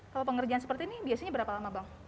kalau pengerjaan seperti ini biasanya berapa lama bang